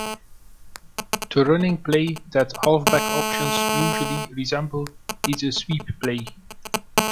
The running play that halfback options usually resemble is a sweep play.